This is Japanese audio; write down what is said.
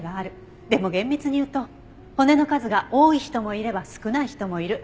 でも厳密に言うと骨の数が多い人もいれば少ない人もいる。